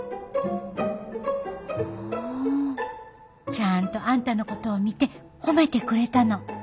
ちゃんとあんたのことを見て褒めてくれたの。